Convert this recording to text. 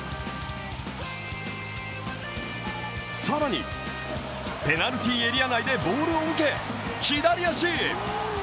更に、ペナルティーエリア内でボールを受け、左足！